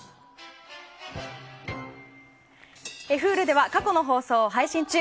Ｈｕｌｕでは過去の放送を配信中。